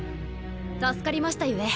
助かりましたゆえ。